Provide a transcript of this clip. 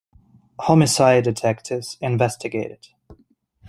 Homicide detectives investigated.